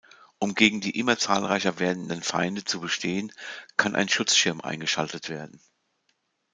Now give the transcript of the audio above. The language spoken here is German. Um gegen die immer zahlreicher werdenden Feinde zu bestehen, kann ein Schutzschirm eingeschaltet werden.